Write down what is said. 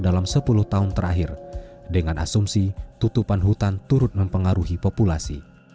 dalam sepuluh tahun terakhir dengan asumsi tutupan hutan turut mempengaruhi populasi